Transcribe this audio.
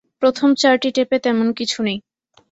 প্রথম চারটি টেপে তেমন কিছু নেই।